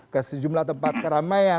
ke sejumlah tempat keramaian